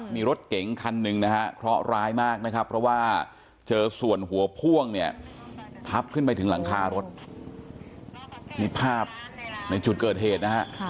มีรถเก่งคันหนึ่งเคราะร้ายมากเพราะว่าเจอส่วนหัวพ่วงทับขึ้นไปถึงหลังคารถมีภาพในจุดเกิดเหตุ